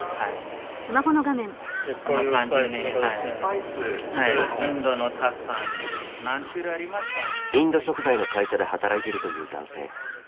インド食材の会社で働いてるという男性。